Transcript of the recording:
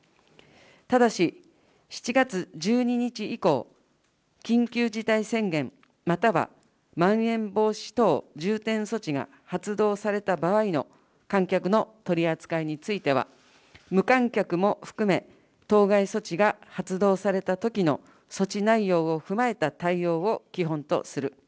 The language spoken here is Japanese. ただし、７月１２日以降、緊急事態宣言、またはまん延防止等重点措置が発動された場合の観客の取り扱いについては、無観客も含め、当該措置が発動されたときの措置内容を踏まえた対応を基本とする。